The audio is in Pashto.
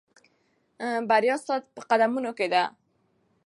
بریا ستا په قدمونو کې ده.